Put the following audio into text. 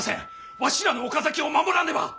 わしらの岡崎を守らねば！